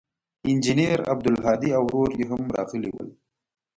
انجنیر عبدالهادي او ورور یې هم راغلي ول.